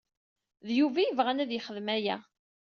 D Yuba i yebɣan ad yexdem aya.